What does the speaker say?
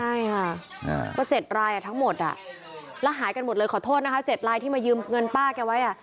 ใช่ค่ะก็๗รายทั้งหมดแล้วหายกันหมดเลยขอโทษนะคะ๗รายที่มายืมเงินป้าแกไว้